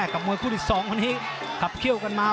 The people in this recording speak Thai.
กับมวยคู่สองนี้กลับเคี่ยวกันมา